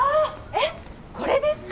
えっこれですか？